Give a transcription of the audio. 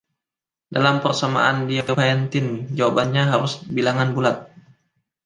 Dalam persamaan Diophantine jawabannya harus bilangan bulat.